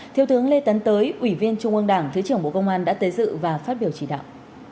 thiếu tướng lê tấn tới ủy viên trung ương đảng thứ trưởng bộ công an đã tới dự và phát biểu chỉ đạo